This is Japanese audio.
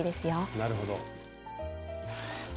なるほど。